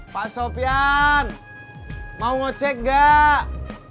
pak sofian mau ngecek gak